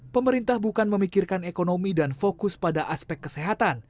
pemerintah bukan memikirkan ekonomi dan fokus pada aspek kesehatan